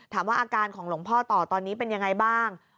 ถามว่าอาการของหลวงพ่อต่อตอนนี้เป็นยังไงบ้าง